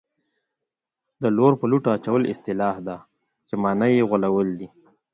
د لور په لوټه اچول اصطلاح ده چې مانا یې غولول دي